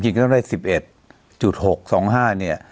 จริงก็ได้๑๑๖๒๕เนี่ย